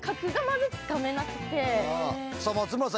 松村さん